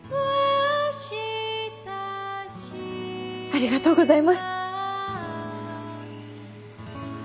ありがとうございます。